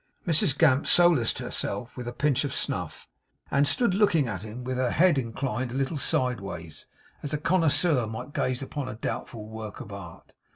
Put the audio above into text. Mrs Gamp solaced herself with a pinch of snuff, and stood looking at him with her head inclined a little sideways, as a connoisseur might gaze upon a doubtful work of art.